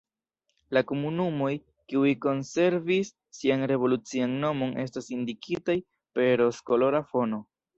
La komunumoj, kiuj konservis sian revolucian nomon estas indikitaj per rozkolora fono.